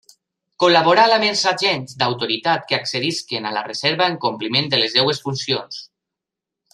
Col·laborar amb els agents d'autoritat que accedisquen a la Reserva en compliment de les seues funcions.